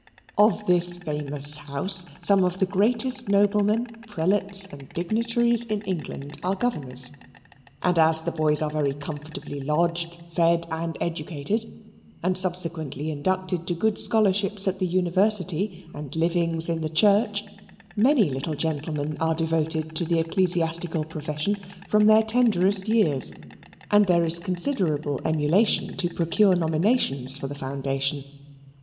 Of this famous house, some of the greatest noblemen, prelates, and dignitaries in England are governors: and as the boys are very comfortably lodged, fed, and educated, and subsequently inducted to good scholarships at the University and livings in the Church, many little gentlemen are devoted to the ecclesiastical profession from their tenderest years, and there is considerable emulation to procure nominations for the foundation.